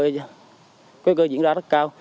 nguy cơ diễn ra rất cao